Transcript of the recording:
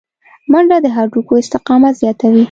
منډه د هډوکو استقامت زیاتوي